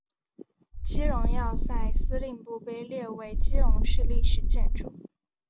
基隆要塞司令部被列入基隆市历史建筑。